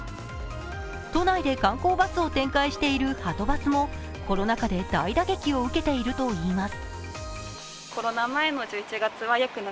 都内で観光バスを展開しているはとバスもコロナ禍で大打撃を受けているといいます。